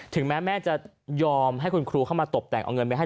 แม้แม่จะยอมให้คุณครูเข้ามาตบแต่งเอาเงินไปให้